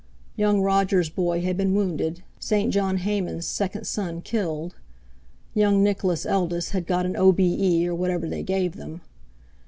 Young Roger's boy had been wounded, St. John Hayman's second son killed; young Nicholas' eldest had got an O. B. E., or whatever they gave them.